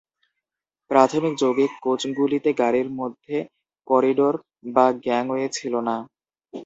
প্রাথমিক যৌগিক কোচগুলিতে গাড়ির মধ্যে করিডোর বা গ্যাংওয়ে ছিল না।